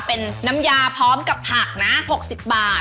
เป็นน้ำยาพร้อมกับผักนะ๖๐บาท